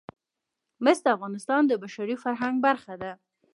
مس د افغانستان د بشري فرهنګ برخه ده.